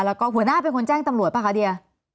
แล้วก็หัวหน้าเป็นคนแจ้งตำรวจป่ะคะเดีย